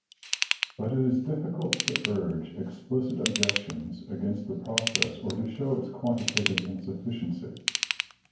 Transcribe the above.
But it is difficult to urge explict objections against the process or to show its quantitative insufficiency.